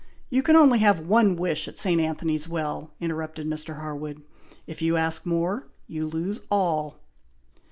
you can only have one wish at St. Anthony's Well," interrupted Mr. Harwood. "If you ask more, you lose all."